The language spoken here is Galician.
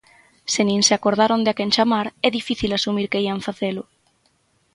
Se nin se acordaron de a quen chamar, é difícil asumir que ían facelo.